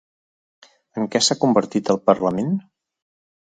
En què s'ha convertit el parlament?